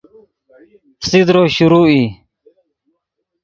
فسیدرو شروع ای